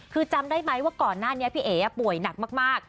คือจำได้ไหมว่าก่อนหน้านี้พี่เอ๋ป่วยหนักมาก